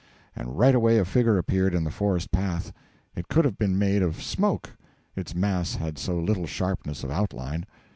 And right away a figure appeared in the forest path; it could have been made of smoke, its mass had so little sharpness of outline.